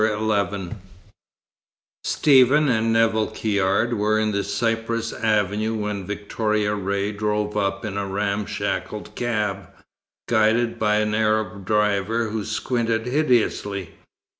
XI Stephen and Nevill Caird were in the cypress avenue when Victoria Ray drove up in a ramshackle cab, guided by an Arab driver who squinted hideously.